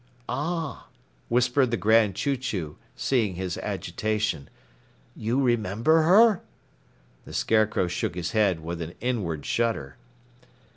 "Ah!" whispered the Grand Chew Chew, seeing his agitation. "You remember her?" The Scarecrow shook his head, with an inward shudder.